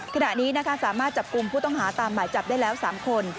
ขณะนี้สามารถจับกลุ่มผู้ต้องหาตามหมายจับได้แล้ว๓คน